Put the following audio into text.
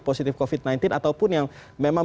positif covid sembilan belas ataupun yang memang